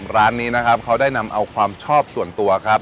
ร้านนี้นะครับเขาได้นำเอาความชอบส่วนตัวครับ